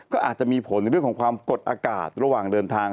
ก็อาจจะมีผลเรื่องของความกดอากาศระหว่างเดินทาง